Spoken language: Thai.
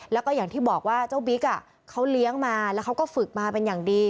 แล้วก็อย่างที่บอกว่าเจ้าบิ๊กเขาเลี้ยงมาแล้วเขาก็ฝึกมาเป็นอย่างดี